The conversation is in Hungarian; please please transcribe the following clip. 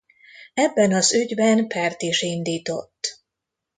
Ebben az ügyben pert is indított.